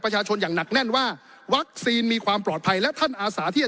อย่างหนักแน่นว่าวัคซีนมีความปลอดภัยและท่านอาสาที่จะ